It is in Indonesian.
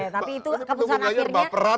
tapi itu keputusan akhirnya